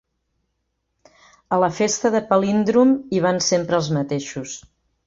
A la festa de Palíndrom hi van sempre els mateixos.